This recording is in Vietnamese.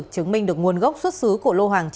chứng minh được nguồn gốc xuất xứ